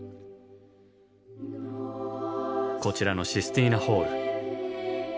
こちらのシスティーナ・ホール。